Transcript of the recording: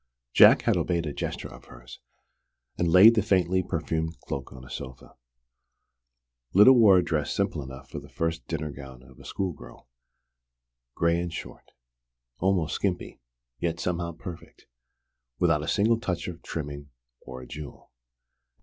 Jack had obeyed a gesture of hers, and laid the faintly perfumed cloak on a sofa. Lyda wore a dress simple enough for the first dinner gown of a schoolgirl: grey and short almost "skimpy," yet somehow perfect, without a single touch of trimming or a jewel.